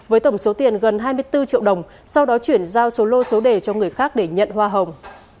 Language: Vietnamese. với tổng số tiền gần hai mươi bốn triệu đồng sau đó chuyển giao số lô số đề cho người khác để nhận hoa hồng